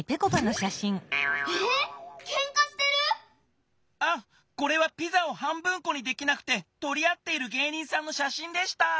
ええっけんかしてる⁉あこれはピザを半分こにできなくてとりあっている芸人さんのしゃしんでした！